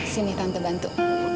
sini tante bantu